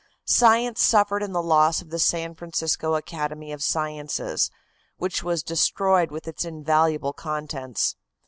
Science suffered in the loss of the San Francisco Academy of Sciences, which was destroyed with its invaluable contents.